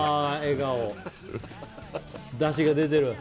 笑顔ダシが出てる？